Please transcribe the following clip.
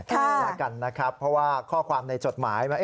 ใช่แล้วกันนะครับเพราะว่าข้อความในจดหมาย